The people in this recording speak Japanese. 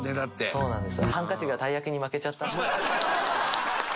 そうなんです。